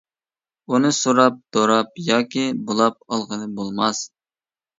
ئۇنى سوراپ، دوراپ ياكى بۇلاپ ئالغىلى بولماس.